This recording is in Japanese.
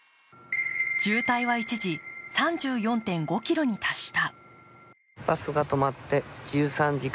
渋滞は一時、３４．５ｋｍに達した。